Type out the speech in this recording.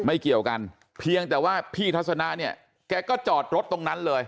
เกี่ยวกันเพียงแต่ว่าพี่ทัศนะเนี่ยแกก็จอดรถตรงนั้นเลย